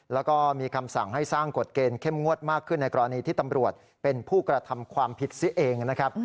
แล้วก็มีคำสั่งให้สร้างกฎเกณฑ์เข้มงวดมากขึ้นในกรณีที่ตำรวจเป็นผู้กระทำความผิดซิเองนะครับ